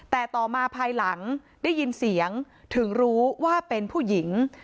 แต่ต่อมาภายหลังได้ยินเสียงถึงรู้ว่าเป็นผู้หญิง